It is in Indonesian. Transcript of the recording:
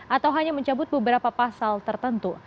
atau hanya mencabut beberapa pasal tertentu